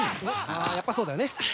ああやっぱそうだよね。